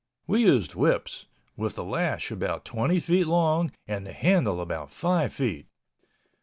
We used whips, with the lash about 20 feet long and the handle about 5 feet.